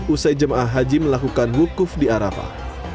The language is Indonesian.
usai jemaah haji melakukan wukuf di arafah